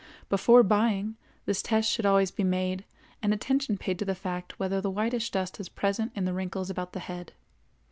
Before buying, this test should always be made, and attention paid to the fact whether the whitish dust is present in the wrinkles about the head.